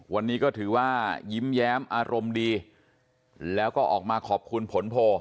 วันนี้ก็ถือว่ายิ้มแย้มอารมณ์ดีแล้วก็ออกมาขอบคุณผลโพล